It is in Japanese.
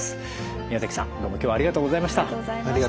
宮崎さんどうも今日はありがとうございました。